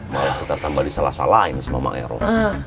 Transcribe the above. maeroh kita tambah disalah salahin sama maeros